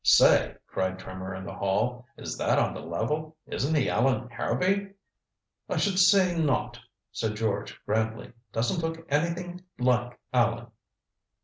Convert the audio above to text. "Say," cried Trimmer in the hall, "is that on the level? Isn't he Allan Harrowby?" "I should say not," said George grandly. "Doesn't look anything like Allan."